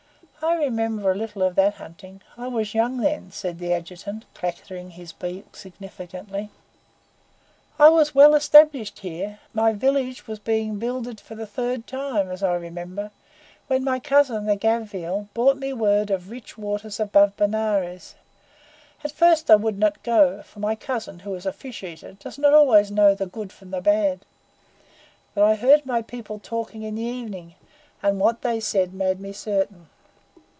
"I remember a little of that Hunting. I was young then," said the Adjutant, clattering his beak significantly. "I was well established here. My village was being builded for the third time, as I remember, when my cousin, the Gavial, brought me word of rich waters above Benares. At first I would not go, for my cousin, who is a fish eater, does not always know the good from the bad; but I heard my people talking in the evenings, and what they said made me certain."